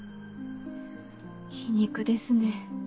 皮肉ですね。